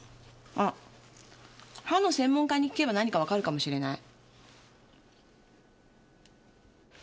あ歯の専門家に聞けば何かわかるかもしれない。